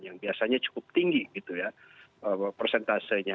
yang biasanya cukup tinggi gitu ya persentasenya